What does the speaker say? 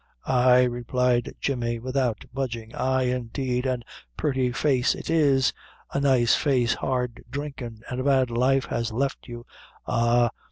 "Ay," replied Jemmy, without budging, "ay, indeed an' a purty face it is a nice face hard drinkin' an' a bad life has left you. Ah!